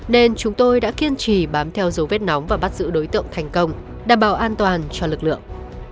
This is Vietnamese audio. nên chúng tôi đã kiên trì bám theo dấu vết nóng và bắt giữ đối tượng thành công đảm bảo an toàn cho lực lượng